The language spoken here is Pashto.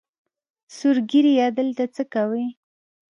سور ږیریه دلته څۀ کوې؟